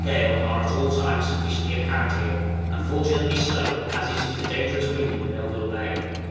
gale are at all times sufficiently apparent here, and fortunately so, as it is the dangerous wind in the Melville Bay.